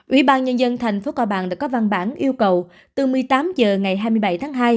ủy ban nhân dân thành phố cao bằng đã có văn bản yêu cầu từ một mươi tám h ngày hai mươi bảy tháng hai